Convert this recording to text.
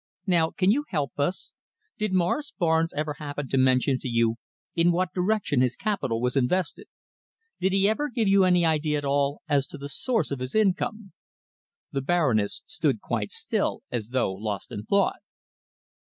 Now can you help us? Did Morris Barnes ever happen to mention to you in what direction his capital was invested? Did he ever give you any idea at all as to the source of his income?" The Baroness stood quite still, as though lost in thought.